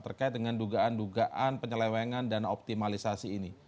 terkait dengan dugaan dugaan penyelewengan dan optimalisasi ini